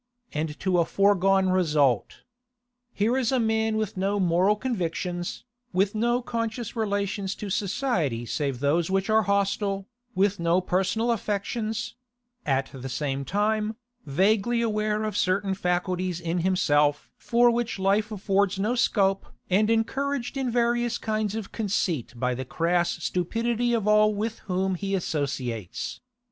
And to a foregone result. Here is a man with no moral convictions, with no conscious relations to society save those which are hostile, with no personal affections; at the same time, vaguely aware of certain faculties in himself for which life affords no scope and encouraged in various kinds of conceit by the crass stupidity of all with whom he associates.